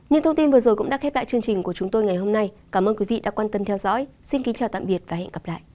hãy đăng ký kênh để ủng hộ kênh của mình nhé